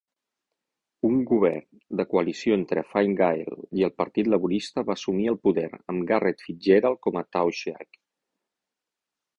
Un govern de coalició entre Fine Gael i el partit laborista va assumir el poder, amb Garret FitzGerald com a Taoiseach.